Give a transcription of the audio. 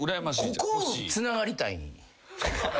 ここつながりたいん。